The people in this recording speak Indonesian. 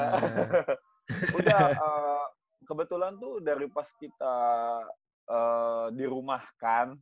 udah kebetulan tuh dari pas kita dirumahkan